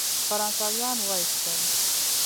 فرانسویان وایستل.